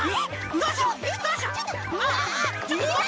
どうしよう。